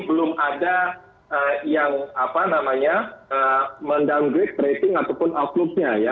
belum ada yang apa namanya mendowngrade rating ataupun outlooknya ya